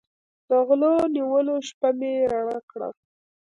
د غلو د نیولو شپه مې رڼه کړه.